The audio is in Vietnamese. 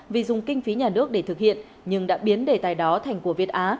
vì dùng kinh phí nhà nước để thực hiện nhưng đã biến đề tài đó thành của việt á